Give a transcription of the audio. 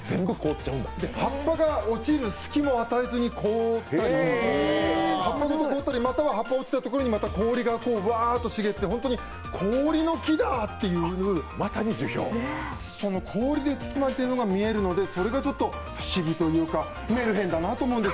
葉っぱが落ちる隙も与えずに凍ったり、葉っぱごと凍ったり、葉っぱ落ちたところに、また氷がわって茂ったり、本当に氷の木だっていうその氷で包まれているのが見れるので、それがちょっと不思議というか、メルヘンだなと思うんです。